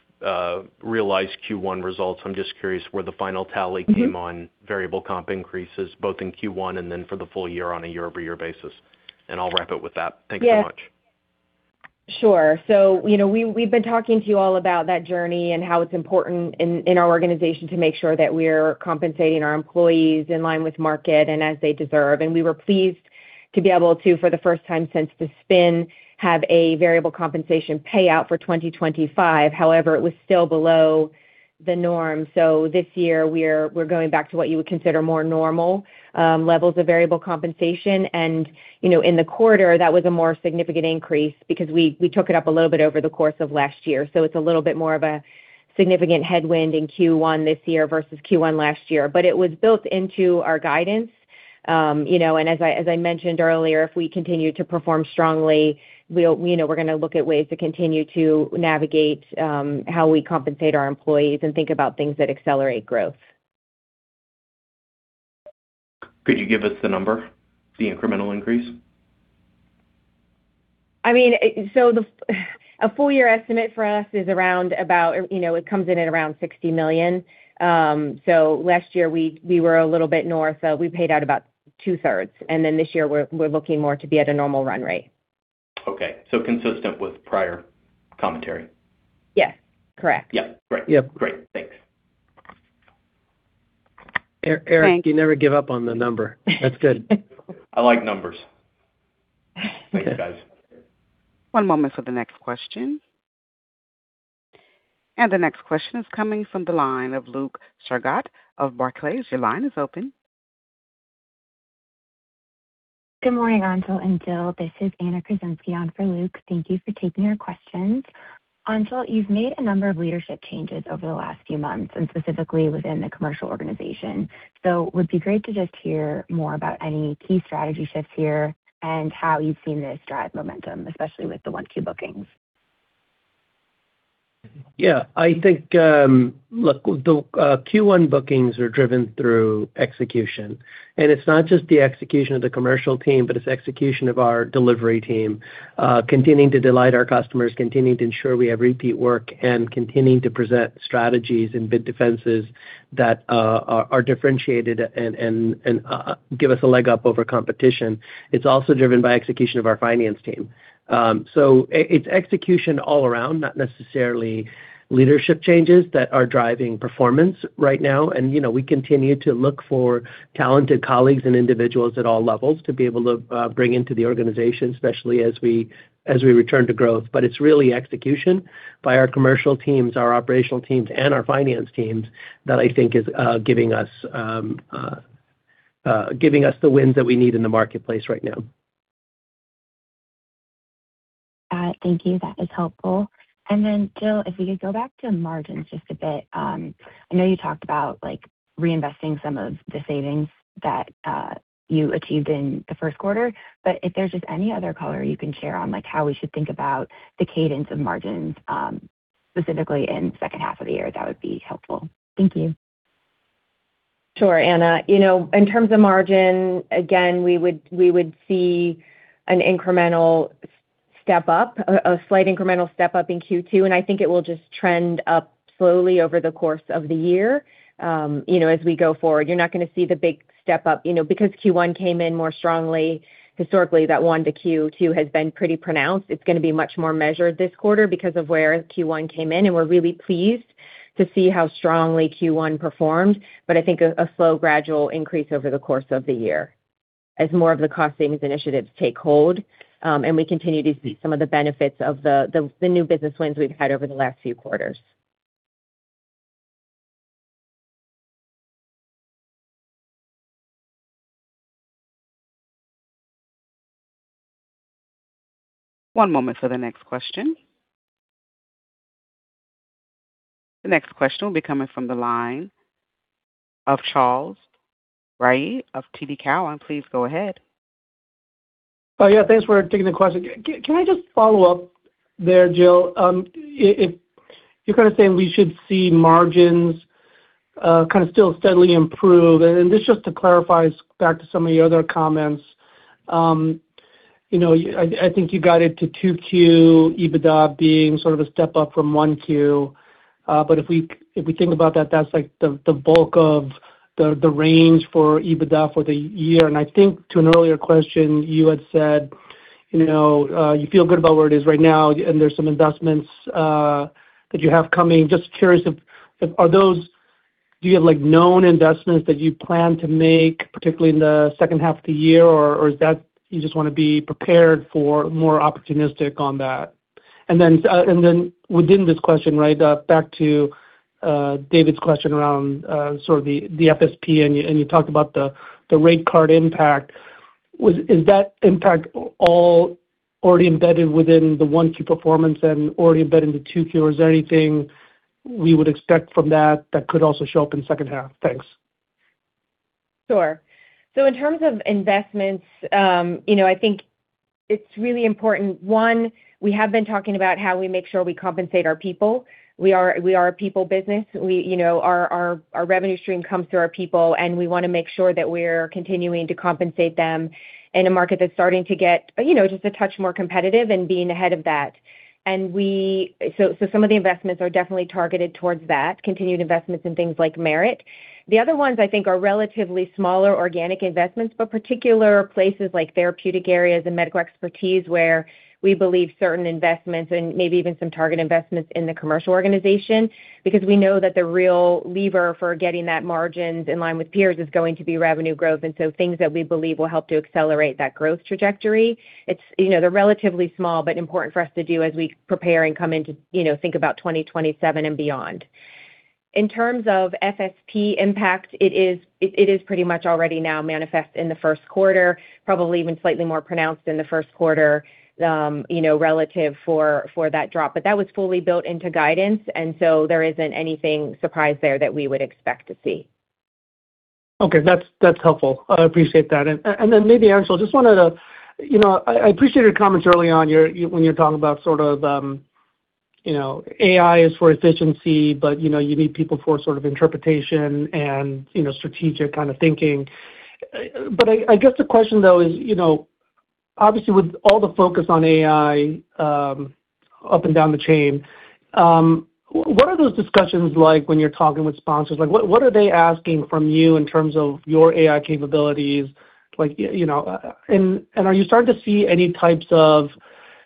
realized Q1 results. I'm just curious where the final tally came. on variable comp increases, both in Q1 and then for the full year on a year-over-year basis. I'll wrap it with that. Yeah. Thanks so much. Sure. You know, we've been talking to you all about that journey and how it's important in our organization to make sure that we're compensating our employees in line with market and as they deserve. We were pleased to be able to, for the first time since the spin, have a variable compensation payout for 2025. However, it was still below the norm. This year we're going back to what you would consider more normal levels of variable compensation. You know, in the quarter, that was a more significant increase because we took it up a little bit over the course of last year. It's a little bit more of a significant headwind in Q1 this year versus Q1 last year. It was built into our guidance. You know, as I mentioned earlier, if we continue to perform strongly, we'll, you know, we're gonna look at ways to continue to navigate, how we compensate our employees and think about things that accelerate growth. Could you give us the number, the incremental increase? I mean, a full year estimate for us is around about, you know, it comes in at around $60 million. Last year we were a little bit north, so we paid out about two-thirds, this year we're looking more to be at a normal run rate. Okay. Consistent with prior commentary. Yes. Correct. Yeah. Great. Yep. Great. Thanks. Thanks. Eric, you never give up on the number. That's good. I like numbers. Thanks, guys. One moment for the next question. The next question is coming from the line of Luke Sergott of Barclays. Your line is open. Good morning, Anshul and Jill. This is Anna Krasinski on for Luke. Thank you for taking our questions. Anshul, you've made a number of leadership changes over the last few months and specifically within the commercial organization. It would be great to just hear more about any key strategy shifts here and how you've seen this drive momentum, especially with the 1 Q bookings. Yeah. I think, look, the Q1 bookings are driven through execution. It's not just the execution of the commercial team, but it's execution of our delivery team, continuing to delight our customers, continuing to ensure we have repeat work and continuing to present strategies and bid defenses that are differentiated and give us a leg up over competition. It's also driven by execution of our finance team. It's execution all around, not necessarily leadership changes that are driving performance right now. You know, we continue to look for talented colleagues and individuals at all levels to be able to bring into the organization, especially as we return to growth. It's really execution by our commercial teams, our operational teams, and our finance teams that I think is giving us the wins that we need in the marketplace right now. thank you. That is helpful. Jill, if we could go back to margins just a bit. I know you talked about like reinvesting some of the savings that you achieved in the first quarter, but if there's just any other color you can share on like how we should think about the cadence of margins, specifically in second half of the year, that would be helpful. Thank you. Sure, Anna. You know, in terms of margin, again, we would see an incremental step up, a slight incremental step up in Q2, and I think it will just trend up slowly over the course of the year, you know, as we go forward. You're not gonna see the big step up, you know, because Q1 came in more strongly. Historically, that one to Q2 has been pretty pronounced. It's gonna be much more measured this quarter because of where Q1 came in, and we're really pleased to see how strongly Q1 performed. I think a slow gradual increase over the course of the year as more of the cost savings initiatives take hold, and we continue to see some of the benefits of the new business wins we've had over the last few quarters. One moment for the next question. The next question will be coming from the line of Charles Rhyee of TD Cowen. Please go ahead. Oh, yeah. Thanks for taking the question. Can I just follow up there, Jill? If you're kind of saying we should see margins, kind of still steadily improve, and this is just to clarify back to some of your other comments. You know, I think you guided to 2Q EBITDA being sort of a step up from 1Q. If we think about that's like the bulk of the range for EBITDA for the year. I think to an earlier question, you had said, you know, you feel good about where it is right now and there's some investments that you have coming. Just curious if do you have like known investments that you plan to make, particularly in the second half of the year? Is that you just wanna be prepared for more opportunistic on that? Within this question, right, back to David's question around sort of the FSP and you talked about the rate card impact. Is that impact already embedded within the 1Q performance and already embedded into 2Q? Is there anything we would expect from that that could also show up in second half? Thanks. Sure. In terms of investments, you know, I think it's really important. One, we have been talking about how we make sure we compensate our people. We are a people business. We, you know, our revenue stream comes through our people, and we wanna make sure that we're continuing to compensate them in a market that's starting to get, you know, just a touch more competitive and being ahead of that. Some of the investments are definitely targeted towards that, continued investments in things like merit. The other ones I think are relatively smaller organic investments, but particular places like therapeutic areas and medical expertise, where we believe certain investments and maybe even some target investments in the commercial organization, because we know that the real lever for getting that margins in line with peers is going to be revenue growth. Things that we believe will help to accelerate that growth trajectory. It's, you know, they're relatively small but important for us to do as we prepare and come into, you know, think about 2027 and beyond. In terms of FSP impact, it is pretty much already now manifest in the first quarter, probably even slightly more pronounced in the first quarter, you know, relative for that drop. That was fully built into guidance. There isn't anything surprise there that we would expect to see. Okay. That's helpful. I appreciate that. Then maybe, Anshul, just wanted to, you know, I appreciate your comments early on when you're talking about sort of, you know, AI is for efficiency, but, you know, you need people for sort of interpretation and, you know, strategic kinda thinking. I guess the question though is, you know, obviously with all the focus on AI, up and down the chain, what are those discussions like when you're talking with sponsors? Like, what are they asking from you in terms of your AI capabilities? Like, you know, and are you starting to see any types of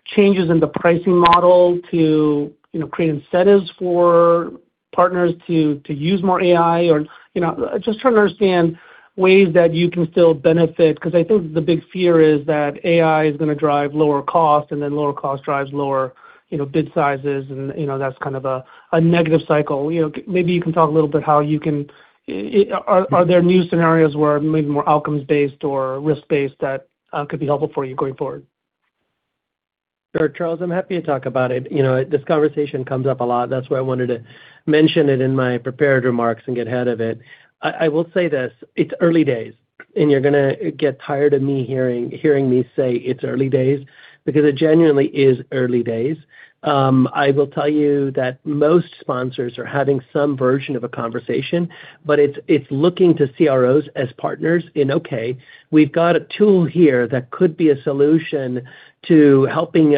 changes in the pricing model to, you know, create incentives for partners to use more AI or, you know? Just trying to understand ways that you can still benefit, because I think the big fear is that AI is going to drive lower cost, and then lower cost drives lower, you know, bid sizes and, you know, that's kind of a negative cycle. You know, maybe you can talk a little bit how you can Are there new scenarios where maybe more outcomes-based or risk-based that could be helpful for you going forward? Sure, Charles, I'm happy to talk about it. You know, this conversation comes up a lot. That's why I wanted to mention it in my prepared remarks and get ahead of it. I will say this, it's early days, and you're gonna get tired of me hearing me say it's early days because it genuinely is early days. I will tell you that most sponsors are having some version of a conversation, but it's looking to CROs as partners in, okay, we've got a tool here that could be a solution to helping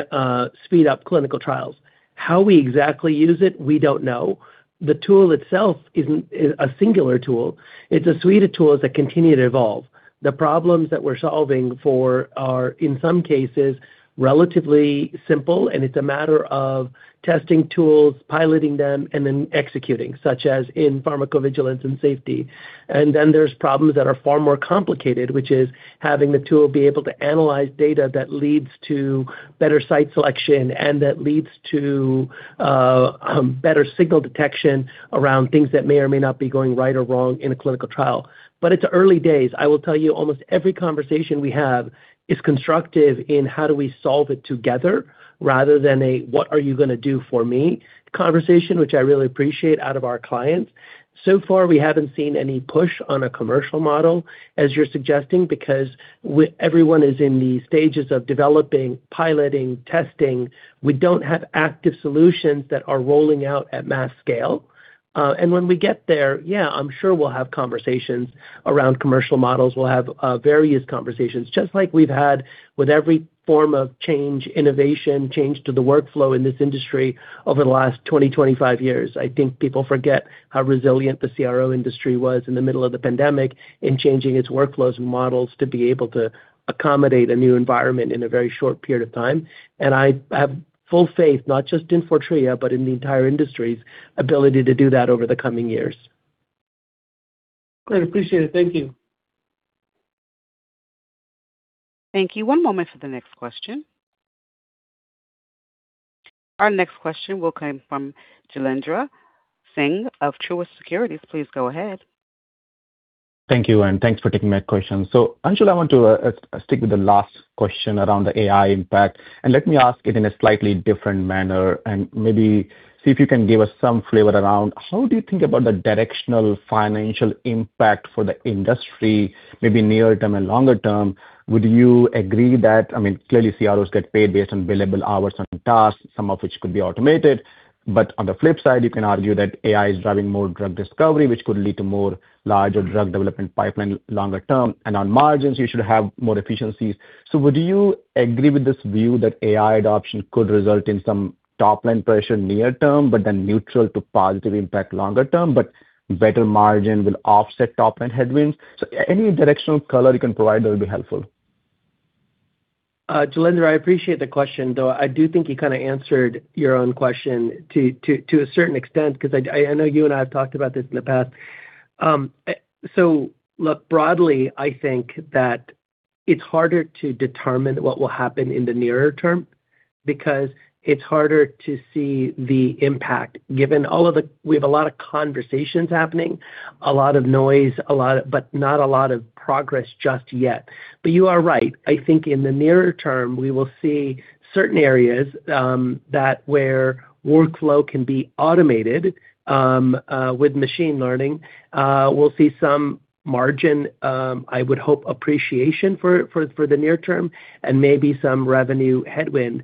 speed up clinical trials. How we exactly use it, we don't know. The tool itself isn't a singular tool. It's a suite of tools that continue to evolve. The problems that we're solving for are, in some cases, relatively simple, and it's a matter of testing tools, piloting them, and then executing, such as in pharmacovigilance and safety. There's problems that are far more complicated, which is having the tool be able to analyze data that leads to better site selection and that leads to better signal detection around things that may or may not be going right or wrong in a clinical trial. It's early days. I will tell you, almost every conversation we have is constructive in how do we solve it together rather than a what are you gonna do for me conversation, which I really appreciate out of our clients. So far, we haven't seen any push on a commercial model, as you're suggesting, because everyone is in these stages of developing, piloting, testing. We don't have active solutions that are rolling out at mass scale. When we get there, I'm sure we'll have conversations around commercial models. We'll have various conversations, just like we've had with every form of change, innovation, change to the workflow in this industry over the last 20, 25 years. I think people forget how resilient the CRO industry was in the middle of the pandemic in changing its workflows and models to be able to accommodate a new environment in a very short period of time. I have full faith, not just in Fortrea, but in the entire industry's ability to do that over the coming years. Great. Appreciate it. Thank you. Thank you. One moment for the next question. Our next question will come from Jailendra Singh of Truist Securities. Please go ahead. Thank you, thanks for taking my question. Anshul, I want to stick with the last question around the AI impact, and let me ask it in a slightly different manner and maybe see if you can give us some flavor around how do you think about the directional financial impact for the industry, maybe near term and longer term? Would you agree? I mean, clearly CROs get paid based on billable hours on tasks, some of which could be automated. On the flip side, you can argue that AI is driving more drug discovery, which could lead to more larger drug development pipeline longer term, and on margins you should have more efficiencies. Would you agree with this view that AI adoption could result in some top-line pressure near term, but then neutral to positive impact longer term, but better margin will offset top-end headwinds? Any directional color you can provide there will be helpful. Jailendra, I appreciate the question, though I do think you kind of answered your own question to a certain extent because I know you and I have talked about this in the past. Look, broadly, I think that it's harder to determine what will happen in the nearer term because it's harder to see the impact. We have a lot of conversations happening, a lot of noise, but not a lot of progress just yet. You are right. I think in the nearer term we will see certain areas that where workflow can be automated with machine learning. We'll see some margin, I would hope appreciation for the near term and maybe some revenue headwind.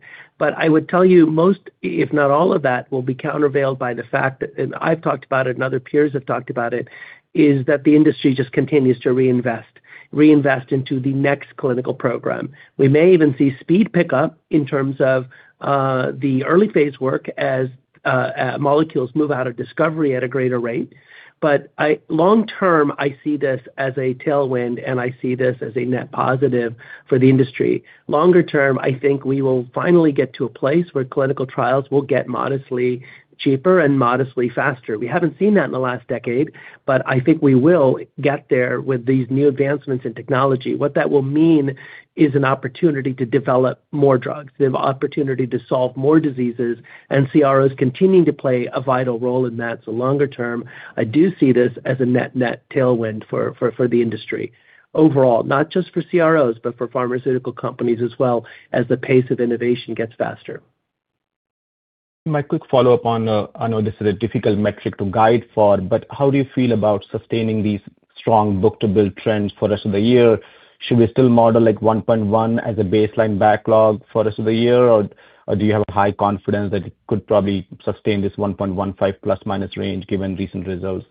I would tell you most, if not all of that, will be countervailed by the fact that, and I've talked about it and other peers have talked about it, is that the industry just continues to reinvest into the next clinical program. We may even see speed pick up in terms of the early phase work as molecules move out of discovery at a greater rate. Long term, I see this as a tailwind, and I see this as a net positive for the industry. Longer term, I think we will finally get to a place where clinical trials will get modestly cheaper and modestly faster. We haven't seen that in the last decade, but I think we will get there with these new advancements in technology. What that will mean is an opportunity to develop more drugs, the opportunity to solve more diseases and CROs continuing to play a vital role in that. Longer term, I do see this as a net-net tailwind for the industry overall, not just for CROs, but for pharmaceutical companies as well as the pace of innovation gets faster. My quick follow-up on, I know this is a difficult metric to guide for, but how do you feel about sustaining these strong book-to-bill trends for rest of the year? Should we still model, like, 1.1 as a baseline backlog for rest of the year? Do you have high confidence that it could probably sustain this 1.15 ± range given recent results?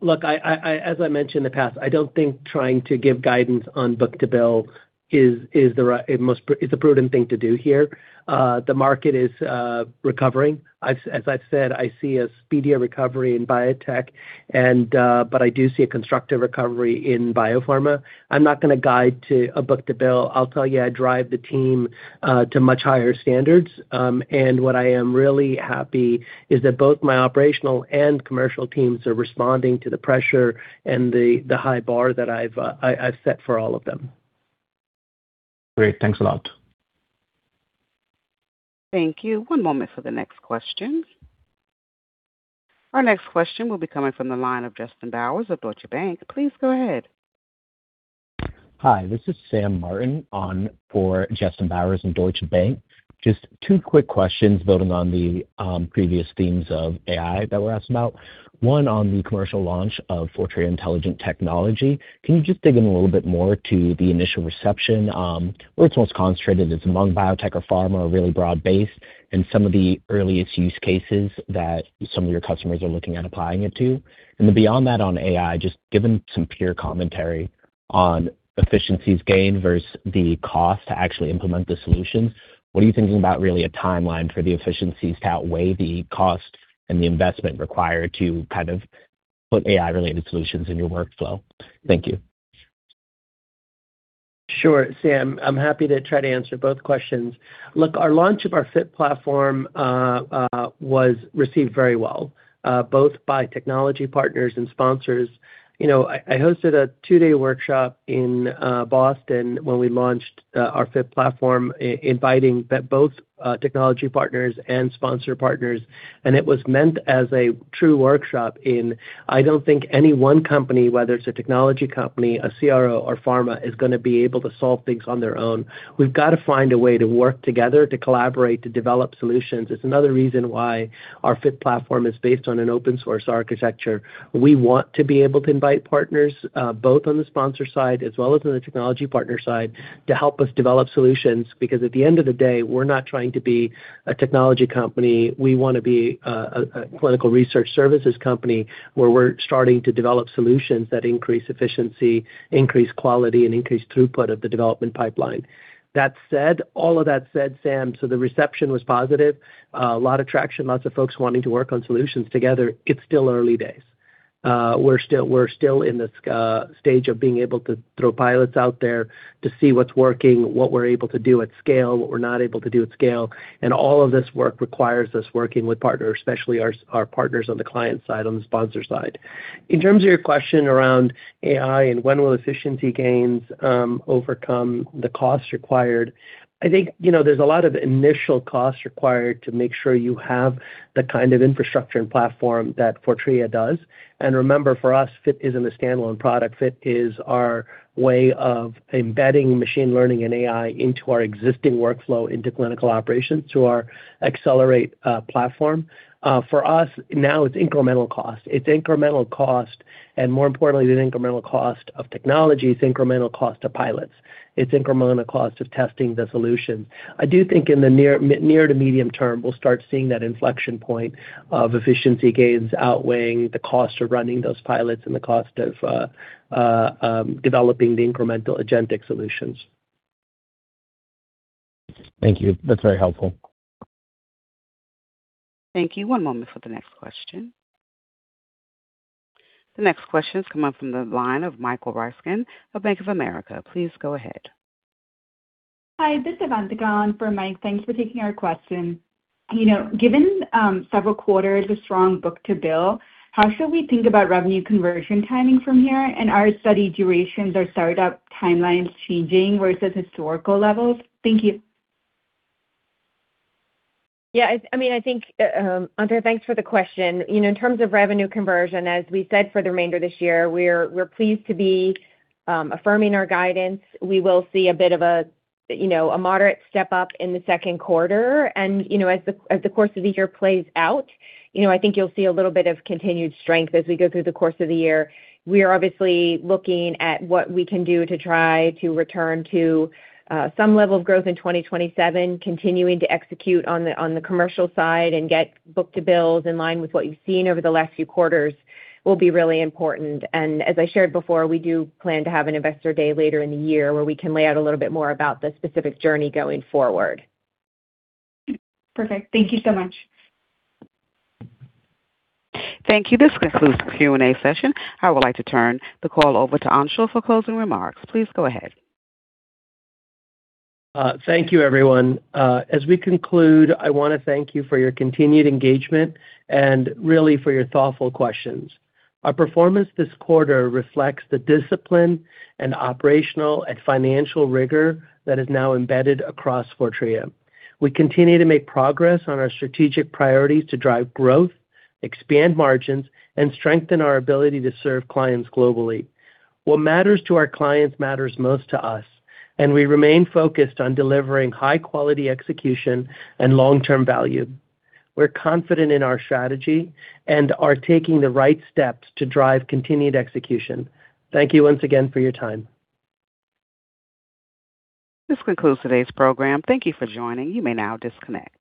Look, I, as I mentioned in the past, I don't think trying to give guidance on book-to-bill is the prudent thing to do here. The market is recovering. As I've said, I see a speedier recovery in biotech and I do see a constructive recovery in biopharma. I'm not going to guide to a book-to-bill. I'll tell you, I drive the team to much higher standards. What I am really happy is that both my operational and commercial teams are responding to the pressure and the high bar that I've set for all of them. Great. Thanks a lot. Thank you. One moment for the next question. Our next question will be coming from the line of Justin Bowers of Deutsche Bank. Please go ahead. Hi, this is Samuel Martin on for Justin Bowers and Deutsche Bank. Just two quick questions building on the previous themes of AI that were asked about. One on the commercial launch of Fortrea Intelligent Technology. Can you just dig in a little bit more to the initial reception, where it's most concentrated, is it among biotech or pharma or really broad-based, and some of the earliest use cases that some of your customers are looking at applying it to? Then beyond that on AI, just given some peer commentary on efficiencies gained versus the cost to actually implement the solution, what are you thinking about really a timeline for the efficiencies to outweigh the cost and the investment required to kind of put AI-related solutions in your workflow? Thank you. Sure, Sam. I'm happy to try to answer both questions. Look, our launch of our FIT platform was received very well, both by technology partners and sponsors. You know, I hosted a two-day workshop in Boston when we launched our FIT platform inviting both technology partners and sponsor partners, and it was meant as a true workshop in I don't think any one company, whether it's a technology company, a CRO or pharma, is gonna be able to solve things on their own. We've got to find a way to work together to collaborate to develop solutions. It's another reason why our FIT platform is based on an open source architecture. We want to be able to invite partners, both on the sponsor side as well as on the technology partner side to help us develop solutions. Because at the end of the day, we're not trying to be a technology company. We wanna be a clinical research services company where we're starting to develop solutions that increase efficiency, increase quality, and increase throughput of the development pipeline. That said, all of that said, Sam, the reception was positive. A lot of traction, lots of folks wanting to work on solutions together. It's still early days. We're still in the stage of being able to throw pilots out there to see what's working, what we're able to do at scale, what we're not able to do at scale. All of this work requires us working with partners, especially our partners on the client side, on the sponsor side. In terms of your question around AI and when will efficiency gains overcome the costs required, I think, you know, there's a lot of initial costs required to make sure you have the kind of infrastructure and platform that Fortrea does. Remember, for us, FIT isn't a standalone product. FIT is our way of embedding machine learning and AI into our existing workflow, into clinical operations, to our Xcellerate platform. For us, now it's incremental cost. It's incremental cost, and more importantly than incremental cost of technology, it's incremental cost to pilots. It's incremental cost of testing the solution. I do think in the near to medium term, we'll start seeing that inflection point of efficiency gains outweighing the cost of running those pilots and the cost of developing the incremental agentic solutions. Thank you. That's very helpful. Thank you. One moment for the next question. The next question is coming from the line of Michael Ryskin of Bank of America. Please go ahead. Hi, this is Avantika on for Mike. Thanks for taking our question. You know, given several quarters of strong book-to-bill, how should we think about revenue conversion timing from here? Are study durations or startup timelines changing versus historical levels? Thank you. Yeah, I mean, I think, Avantika, thanks for the question. You know, in terms of revenue conversion, as we said for the remainder of this year, we're pleased to be affirming our guidance. We will see a bit of a, you know, a moderate step up in the second quarter. You know, as the, as the course of the year plays out, you know, I think you'll see a little bit of continued strength as we go through the course of the year. We are obviously looking at what we can do to try to return to some level of growth in 2027, continuing to execute on the, on the commercial side and get book-to-bills in line with what you've seen over the last few quarters will be really important. As I shared before, we do plan to have an investor day later in the year where we can lay out a little bit more about the specific journey going forward. Perfect. Thank you so much. Thank you. This concludes the Q&A session. I would like to turn the call over to Anshul for closing remarks. Please go ahead. Thank you, everyone. As we conclude, I want to thank you for your continued engagement and really for your thoughtful questions. Our performance this quarter reflects the discipline and operational and financial rigor that is now embedded across Fortrea. We continue to make progress on our strategic priorities to drive growth, expand margins, and strengthen our ability to serve clients globally. What matters to our clients matters most to us, and we remain focused on delivering high-quality execution and long-term value. We're confident in our strategy and are taking the right steps to drive continued execution. Thank you once again for your time. This concludes today's program. Thank you for joining. You may now disconnect.